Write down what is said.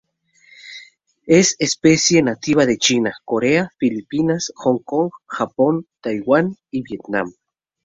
Es especie nativa de China; Corea; Filipinas; Hong Kong; Japón; Taiwán y Vietnam.